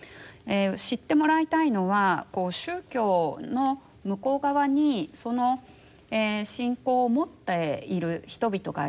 知ってもらいたいのは宗教の向こう側にその信仰を持っている人々がいる。